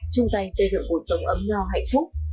chung tay xây dựng cuộc sống ấm no hạnh phúc